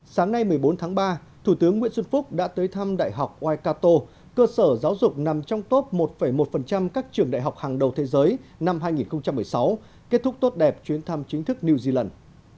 sáng nay một mươi bốn tháng ba thủ tướng nguyễn xuân phúc đã tới thăm đại học wikato cơ sở giáo dục nằm trong top một một các trường đại học hàng đầu thế giới năm hai nghìn một mươi sáu kết thúc tốt đẹp chuyến thăm chính thức new zealand